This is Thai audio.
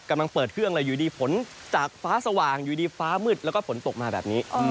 กำลังเปิดเครื่องเลยอยู่ดีฝนจากฟ้าสว่างอยู่ดีฟ้ามืดแล้วก็ฝนตกมาแบบนี้